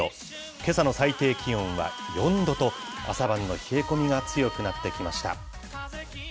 けさの最低気温は４度と、朝晩の冷え込みが強くなってきました。